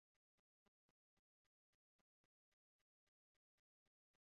tom ntazabona amahirwe